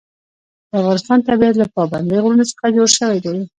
د افغانستان طبیعت له پابندی غرونه څخه جوړ شوی دی.